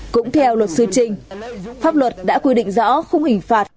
cũng theo luật sư trinh pháp luật đã quy định rõ không hình phạt